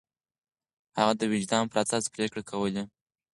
هغه د وجدان پر اساس پرېکړې کولې.